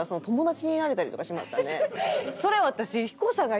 それ私。